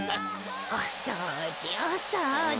おそうじおそうじ。